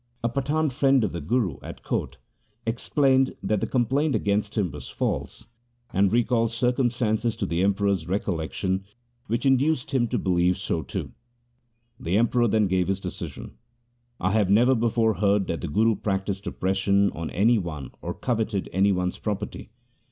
A Pathan friend of the Guru at court explained that 104 THE SIKH RELIGION the complaint against him was false, and recalled circumstances to the Emperor's recollection which induced him to believe so too. The Emperor then gave his decision. ' I have never before heard that the Guru practised oppression on any one or coveted any one's property.